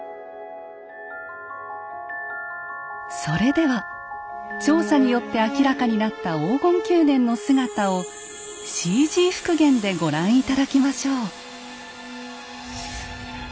それでは調査によって明らかになった黄金宮殿の姿をＣＧ復元でご覧頂きましょう。